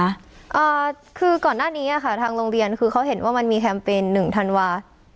อ่าคือก่อนหน้านี้อ่ะค่ะทางโรงเรียนคือเขาเห็นว่ามันมีแคมเปญหนึ่งธันวา